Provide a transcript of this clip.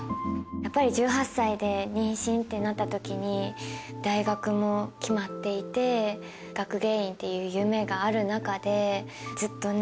やっぱり１８歳で妊娠ってなった時に大学も決まっていて学芸員っていう夢がある中でずっとね